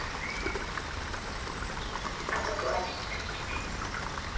あの子はきっと生きている。